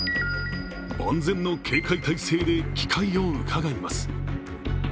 万全の警戒態勢で機会をうかがいます。